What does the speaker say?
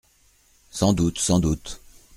Sans doute… sans doute.